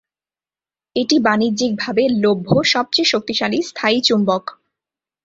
এটি বাণিজ্যিকভাবে লভ্য সবচেয়ে শক্তিশালী স্থায়ী চুম্বক।